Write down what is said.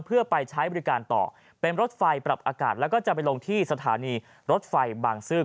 เพื่อไปใช้บริการต่อเป็นรถไฟปรับอากาศแล้วก็จะไปลงที่สถานีรถไฟบางซื่อ